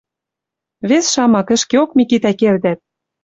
Вес шамак, ӹшкеок, Микитӓ, кердӓт.